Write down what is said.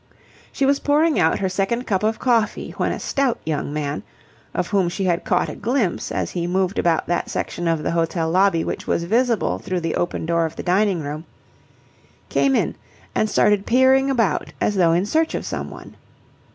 She was pouring out her second cup of coffee when a stout young man, of whom she had caught a glimpse as he moved about that section of the hotel lobby which was visible through the open door of the dining room, came in and stood peering about as though in search of someone.